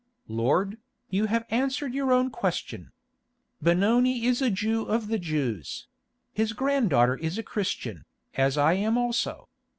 "Lord, you have answered your own question. Benoni is a Jew of the Jews; his granddaughter is a Christian, as I am also.